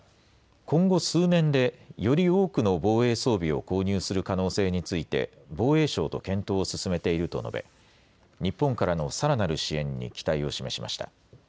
今後数年でより多くの防衛装備を購入する可能性について、防衛省と検討を進めていると述べ、日本からのさらなる支援に期待を示しました。